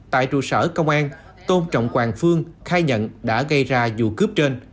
tại trụ sở công an tôn trọng hoàng phương khai nhận đã gây ra dù cướp trên